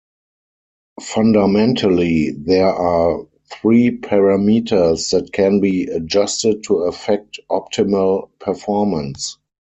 Fundamentally, there are three parameters that can be adjusted to affect optimal performance.